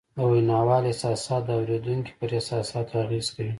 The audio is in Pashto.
د ویناوال احساسات د اورېدونکي پر احساساتو اغېز کوي